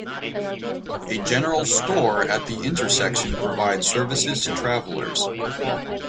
A general store at the intersection provides services to travellers.